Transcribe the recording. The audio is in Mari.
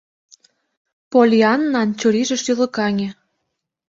Поллианнан чурийже шӱлыкаҥе.